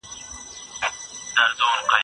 چي خراب سي نو اباد سي